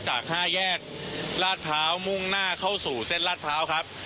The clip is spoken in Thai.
จากห้าแยกราดเภามุ่งหน้าเข้าสู่เส้นราดเภาครับ